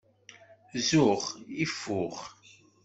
Zzux, lfux!